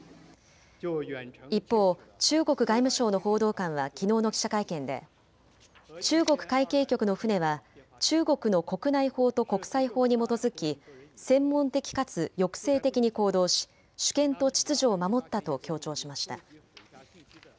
一方、中国外務省の報道官はきのうの記者会見で中国海警局の船は中国の国内法と国際法に基づき専門的かつ抑制的に行動し、主権と秩序を守ったと強調しました。